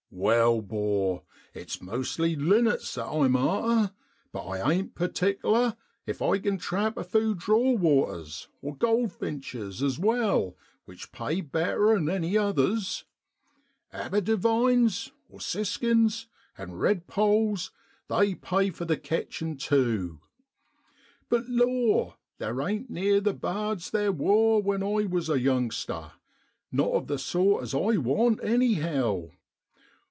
Wai, 'bor, it's mostly linnets that I'm arter, but I ain't perticlar if I can trap a few draw waters (gold finches) as well, which pay better 'an any others; aberdivines (siskins) an' redpoles they pay for theketchin' tu. But law! theer ain't neer the bards theer wor when I was a youngster, not of the sort as I want, anyhow.